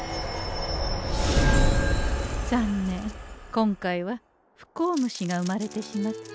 残念今回は不幸虫が生まれてしまった。